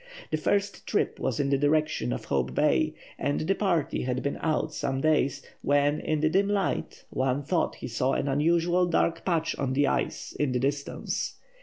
The first trip was in the direction of Hope Bay, and the party had been out some days when, in the dim light, one thought he saw an unusual dark patch on the ice in the distance.